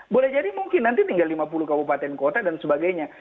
boleh jadi mungkin nanti tinggal lima puluh kabupaten kota dan sebagainya